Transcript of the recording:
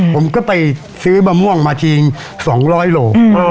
ผมก็ไปซื้อมะม่วงมาทีนึง๒๐๐โล